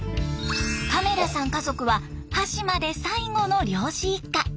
亀田さん家族は端島で最後の漁師一家。